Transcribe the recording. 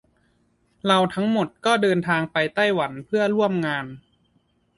เราทั้งหมดก็เดินทางไปไต้หวันเพื่อร่วมงาน